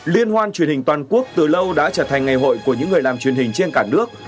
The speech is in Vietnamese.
liên hoan truyền hình toàn quốc từ lâu đã trở thành ngày hội của những người làm truyền hình trên cả nước